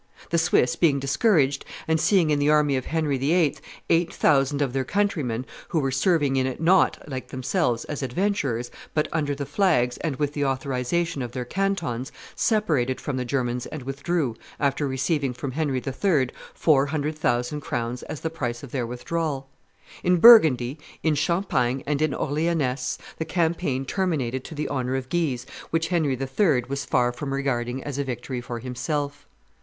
The Swiss, being discouraged, and seeing in the army of Henry III. eight thousand of their countrymen, who were serving in it not, like themselves, as adventurers, but under the flags and with the authorization of their cantons, separated from the Germans and withdrew, after receiving from Henry III. four hundred thousand crowns as the price of their withdrawal. In Burgundy, in Champagne, and in Orleanness, the campaign terminated to the honor of Guise, which Henry III. was far from regarding as a victory for himself.